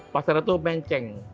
pasarnya itu menceng